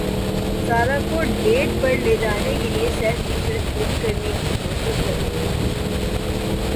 سارہ کو ڈیٹ پر لے جانے کیلئے سیف کی شرط پوری کرنے کی کوشش کررہا ہوں